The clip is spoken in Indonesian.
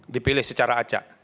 dipilih secara acak